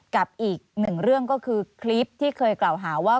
กับอีกหนึ่งเรื่องก็คือคลิปที่เคยกล่าวหาว่า